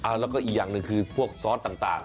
อะแล้วก็อีกอังนึงคือพวกซอสต่าง